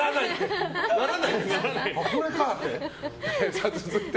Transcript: さあ、続いて。